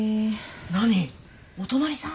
何お隣さん？